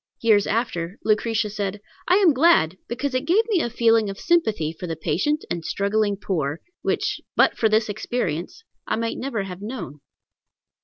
Years after Lucretia said, "I am glad, because it gave me a feeling of sympathy for the patient and struggling poor, which, but for this experience, I might never have known."